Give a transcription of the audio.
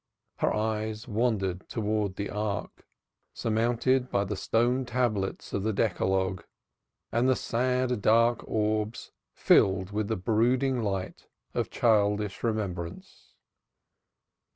Her eyes wandered towards the Ark, surmounted by the stone tablets of the Decalogue, and the sad dark orbs filled with the brooding light of childish reminiscence.